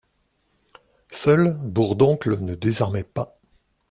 Seul, Bourdoncle ne désarmait pas.